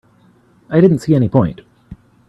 I didn't see any point.